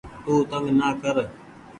تو تنگ نآ ڪر